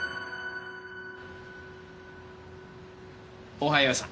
おはようさん。